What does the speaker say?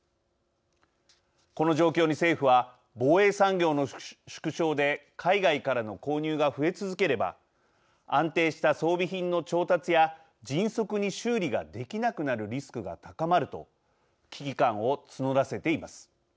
この状況に、政府は防衛産業の縮小で海外からの購入が増え続ければ安定した装備品の調達や迅速に修理ができなくなるリスクが高まると危機感を募らせています。